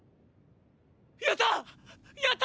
やった！！